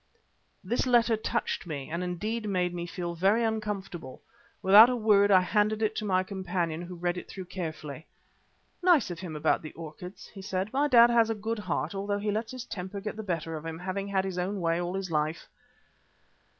This letter touched me much, and indeed made me feel very uncomfortable. Without a word I handed it to my companion, who read it through carefully. "Nice of him about the orchids," he said. "My dad has a good heart, although he lets his temper get the better of him, having had his own way all his life."